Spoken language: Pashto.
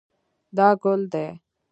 دا ګل دی